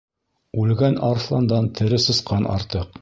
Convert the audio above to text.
Үлгән арыҫландан тере сысҡан артыҡ.